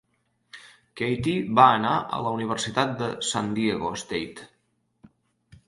Kathy va anar a la Universitat de San Diego State.